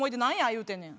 言うてんねん。